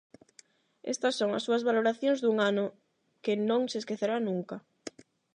Estas son as súas valoracións dun ano que non se esquecerá nunca.